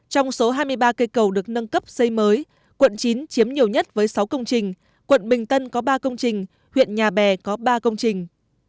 trong số hai mươi ba cây cầu được nâng cấp xây mới quận chín chiếm nhiều nhất với sáu công trình quận bình tân có ba công trình huyện nhà bè có ba công trình